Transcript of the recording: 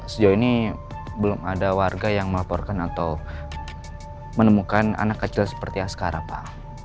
sejauh ini belum ada warga yang melaporkan atau menemukan anak kecil seperti askara pak